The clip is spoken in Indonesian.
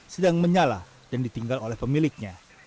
sedang menyala dan ditinggal oleh pemiliknya